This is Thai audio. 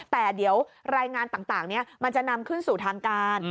แต่เดี๋ยวรายงานต่างนี้มันจะนำขึ้นสู่ทางการ